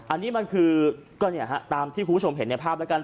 อันนี้มันคือก็เนี่ยฮะตามที่คุณผู้ชมเห็นในภาพแล้วกัน